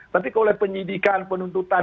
tapi kalau penyidikan penuntutan